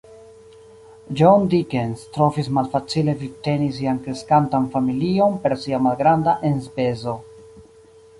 John Dickens trovis malfacile vivteni sian kreskantan familion per sia malgranda enspezo.